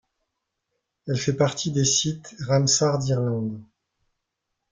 Elle fait partie des sites Ramsar d'Irlande.